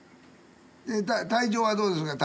体調はどうですか？